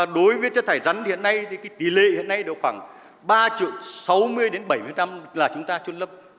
đối với chất thải rắn tỷ lệ hiện nay khoảng ba triệu sáu mươi bảy mươi là chúng ta trôn lấp